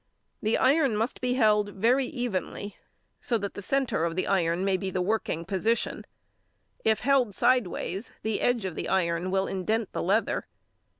The iron must be held very evenly, so that the centre of the iron may be the working portion. If held sideways the edge of the iron will indent the leather.